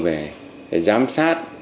về giám sát